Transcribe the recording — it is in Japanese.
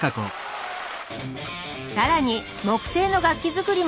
更に木製の楽器作りも盛ん！